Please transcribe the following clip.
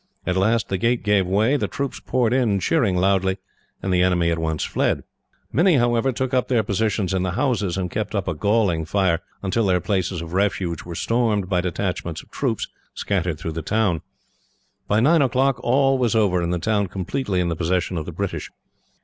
At last, the gate gave way. The troops poured in, cheering loudly, and the enemy at once fled. Many, however, took up their positions in the houses, and kept up a galling fire, until their places of refuge were stormed by detachments of troops, scattered through the town. By nine o'clock all was over, and the town completely in the possession of the British.